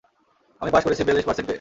আমি পাশ করেছি বিয়াল্লিশ পারসেন্ট পেয়ে!